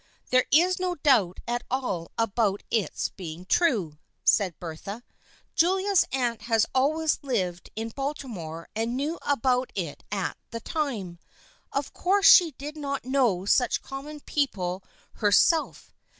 " There is no doubt at all about its being true," said Bertha. " Julia's aunt has always lived in Baltimore and knew about it at the time. Of course she did not know such common people her self.